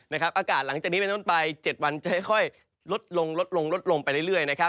อากาศหลังจากนี้ไปต้นไป๗วันจะค่อยลดลงไปเรื่อย